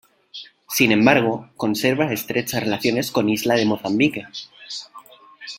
Sin embargo, conserva estrechas relaciones con Isla de Mozambique.